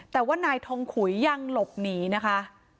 แต่ว่านายทองขุยยังหลบหนีนะคะ